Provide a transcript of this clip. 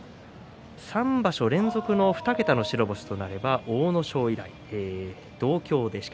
３場所連続の２桁の白星となれば阿武咲以来です。